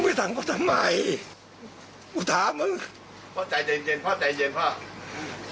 พ่อมึงมึงรึเป็นทำไมอะวุ่คหรอมึงพ่อตายไว้ใจเย็นพ่อ